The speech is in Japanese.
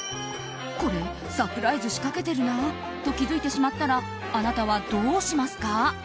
これ、サプライズ仕掛けてるなと気づいてしまったらあなたはどうしますか？